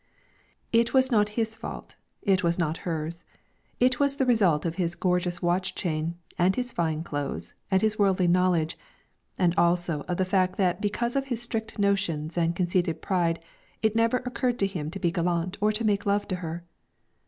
It was not his fault; it was not hers. It was the result of his gorgeous watch chain and his fine clothes and his worldly knowledge, and also of the fact that because of his strict notions and conceited pride it never occurred to him to be gallant or to make love to her.